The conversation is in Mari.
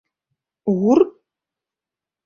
Ур?